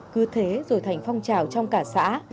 cứ thế rồi thành phong trào trong cả xã